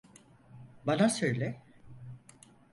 Bana söyle.